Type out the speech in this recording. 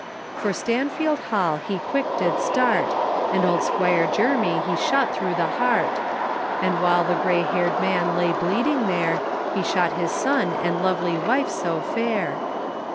For Stanfield Hall he quick did start, And old Squire Jermy he shot through the heart! And while the grey hair'd man lay bleeding there, He shot his son and lovely wife so fair.